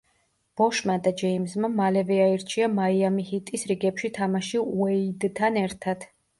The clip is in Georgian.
ბოშმა და ჯეიმზმა მალევე აირჩია მაიამი ჰიტის რიგებში თამაში უეიდთან ერთად.